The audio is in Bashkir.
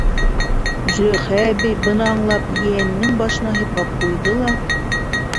Зөләйха әбей, быны аңлап, ейәненең башынан һыйпап ҡуйҙы ла: